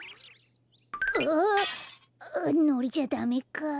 ああっのりじゃダメか。